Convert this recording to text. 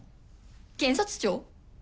検察庁？